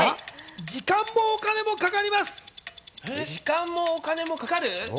時間もお金もかかります。